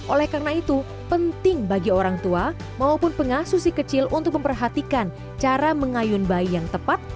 oleh karena itu penting bagi orang tua maupun pengasuh si kecil untuk memperhatikan cara mengayun bayi yang tepat